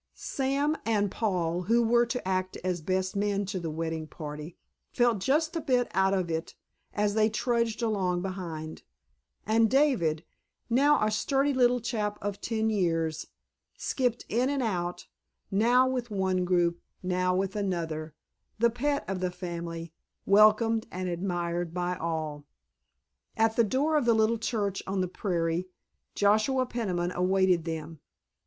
Sam and Paul, who were to act as best men to the wedding party, felt just a bit out of it as they trudged along behind, and David, now a sturdy little chap of ten years, skipped in and out, now with one group, now with another, the pet of the family, welcomed and admired by all. At the door of the little church on the prairie Joshua Peniman awaited them.